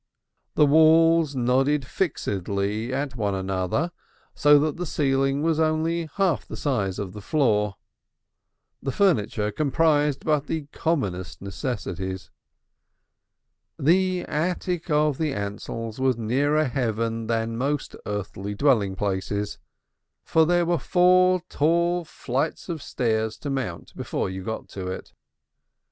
The walls nodded fixedly to one another so that the ceiling was only half the size of the floor. The furniture comprised but the commonest necessities. This attic of the Ansells was nearer heaven than most earthly dwelling places, for there were four tall flights of stairs to mount before you got to it.